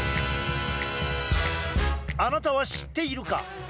あなたは知っているか？